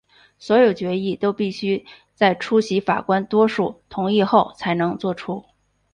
所有决议都必须在出席法官多数同意后才能做出。